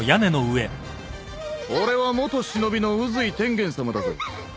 俺は元忍の宇髄天元さまだぞ。